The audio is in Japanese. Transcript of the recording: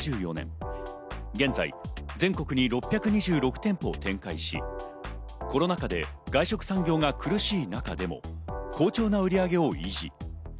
現在、全国に６２６店舗を展開し、コロナ禍で外食産業が苦しい中でも好調な売り上げを維持。